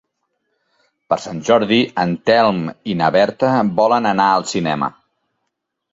Per Sant Jordi en Telm i na Berta volen anar al cinema.